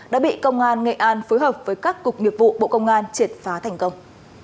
đã bị công an nghệ an phối hợp với các cục nghiệp vụ bộ công an triệt phá thành công